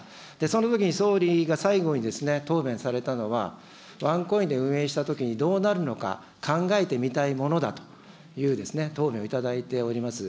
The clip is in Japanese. そのときに、総理が最後に答弁されたのは、ワンコインで運営したときにどうなるのか考えてみたいものだという答弁をいただいております。